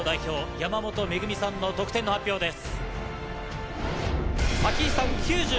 山本恵美さんの得点の発表です。